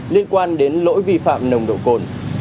liên quan đến lỗi vi phạm nồng độ cồn